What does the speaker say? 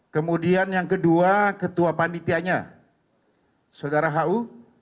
kemudian yang kedua ketua panitianya saudara hu